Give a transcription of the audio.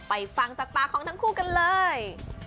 ฟังจากปากของทั้งคู่กันเลย